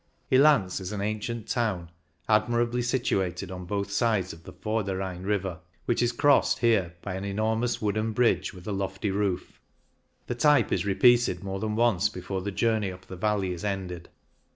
Ilanz is an ancient town, admirably situated on both sides of the Vorder Rhein river, which is crossed here by an enor mous wooden bridge, with a lofty roof ; the type is repeated more than once before the journey up the valley is ended.